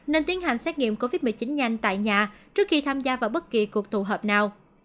nên tiến hành xét nghiệm covid một mươi chín nhanh tại nhà trước khi tham gia vào bất kỳ cuộc tụ hợp nào